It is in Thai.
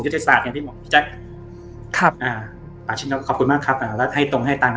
แกบอกตอนนั้นสัก๑๐โมงเช้า